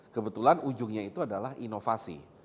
kebetulan ujungnya itu adalah inovasi